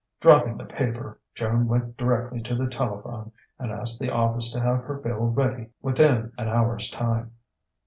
Dropping the paper, Joan went directly to the telephone and asked the office to have her bill ready within an hour's time.